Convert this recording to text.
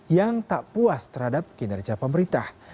yang tak puas terhadap kinerja pemerintah